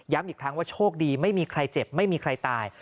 อีกครั้งว่าโชคดีไม่มีใครเจ็บไม่มีใครตาย